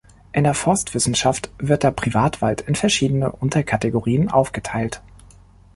In der Forstwissenschaft wird der Privatwald in verschiedene Unterkategorien aufgeteilt.